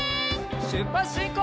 しゅっぱつしんこう！